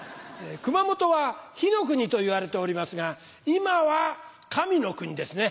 熊本は火の国といわれておりますが今は神の国ですね。